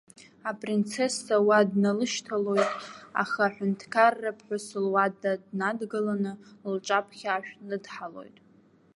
Апринцесса уи дналышьҭалоит, аха аҳәынҭқарԥҳәыс луада днадгылоны, лҿаԥхьа ашә ныдҳалоит.